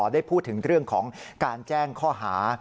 ได้พูดถึงเรื่องของการแจ้งข้อหา